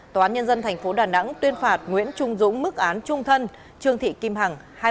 tòa nhân dân tp đà nẵng tuyên phạt nguyễn trung dũng mức án trung thân trương thị kim hằng hai mươi năm tù giam